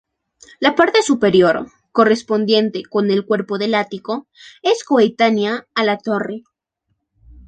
La parte superior, correspondiente con el cuerpo del ático, es coetánea a la torre.